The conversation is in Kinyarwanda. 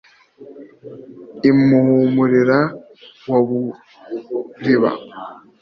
i muhurira wa buriba,